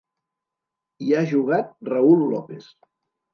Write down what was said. Hi ha jugat Raül López.